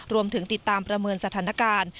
รวมถึงติดตามประเมินสถานการณ์